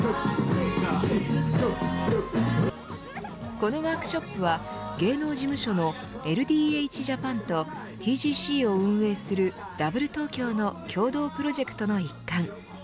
このワークショップは芸能事務所のＬＤＨＪＡＰＡＮとＴＧＣを運営するＷＴＯＫＹＯの共同プロジェクトの一環。